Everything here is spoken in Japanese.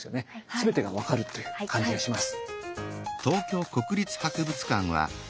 全てが分かるという感じがします。